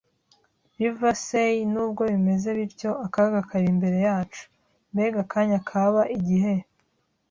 Livesey, nubwo bimeze bityo akaga kari imbere yacu! Mbega akanya kaba igihe